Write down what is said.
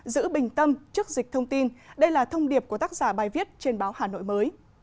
giữ bình tâm trước dịch thông tin đây là thông điệp của tác giả bài viết trên báo hà nội mới